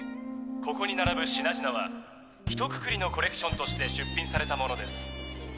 ここに並ぶ品々はひとくくりのコレクションとして出品されたものです。